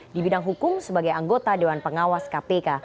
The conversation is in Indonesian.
di bidang hukum sebagai anggota dewan pengawas kpk